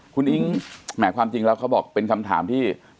คุณอิ๊งแหมความจริงแล้วเขาบอกเป็นคำถามที่